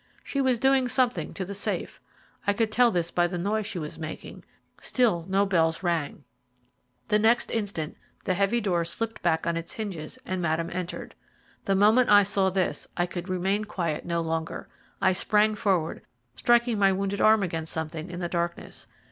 She was doing something to the safe I could tell this by the noise she was making still no bells rang. The next instant the heavy door slipped back on its hinges, and Madame entered. The moment I saw this I could remain quiet no longer. I sprang forward, striking my wounded arm against something in the darkness.